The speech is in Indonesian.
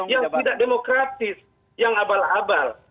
yang tidak demokratis yang abal abal